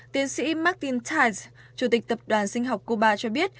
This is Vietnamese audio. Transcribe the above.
tiến sĩ martin tai chủ tịch tập đoàn sinh học cuba cho biết